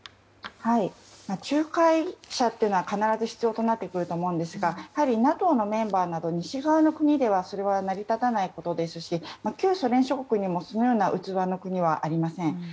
仲介者というのは必ず必要になってくると思いますがやはりＮＡＴＯのメンバーなど西側の国ではそれは成り立たないことですし旧ソ連諸国にはそのような器の国はありません。